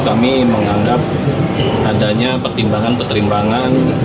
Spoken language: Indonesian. kami menganggap adanya pertimbangan pertimbangan